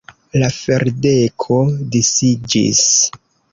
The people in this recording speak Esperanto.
La ferdeko disiĝis.